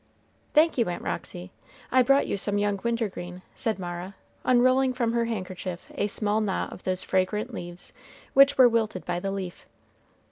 "Thank you, Aunt Roxy. I brought you some young wintergreen," said Mara, unrolling from her handkerchief a small knot of those fragrant leaves, which were wilted by the heat.